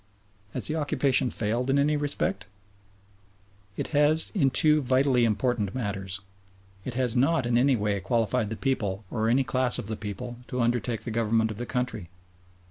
Has the occupation failed in any respect? It has in two vitally important matters. It has not in any way qualified the people or any class of the people to undertake the government of the country.